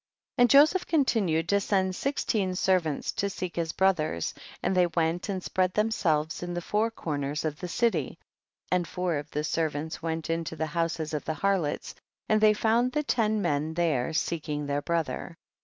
17. And Joseph continued to send sixteen servants to seek his brothers, and they went and spread themselves in the four corners of the city, and four of the servants went into the house of the harlots, and they found the ten men there seeking their bro ther.